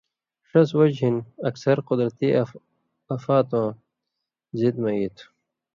ݜَس وجہۡ ہِن اکثر قُدرتی آفاتواں زد مہ ای تُھو۔